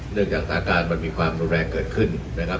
นึกจากสามารถมีทางแทนด้วยเขาเพื่ออ้วกดในไว้